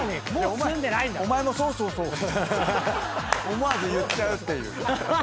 思わず言っちゃうっていう。